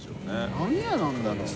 何屋なんだろう？